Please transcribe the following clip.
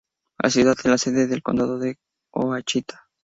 La ciudad es la sede del condado de Ouachita.